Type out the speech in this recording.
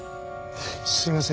すいませんね。